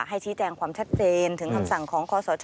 ให้ชี้แจงความชัดเจนถึงคำสั่งของคอสช